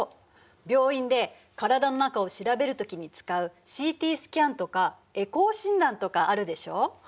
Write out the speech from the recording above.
病院で体の中を調べるときに使うＣＴスキャンとかエコー診断とかあるでしょ。